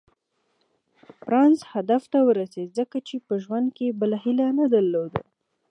بارنس هدف ته ورسېد ځکه په ژوند کې يې بله هيله نه درلوده.